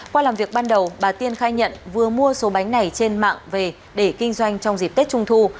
qua làm việc ban đầu bà tiên khai nhận vừa mua số bánh này trên mạng về để kinh doanh trong dịp tết trung thu